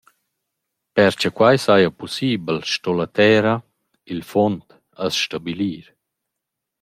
Per cha quai saja pussibel, sto la terra, il fuond as stabilir.